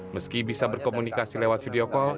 meski bisa berkomunikasi lewat video call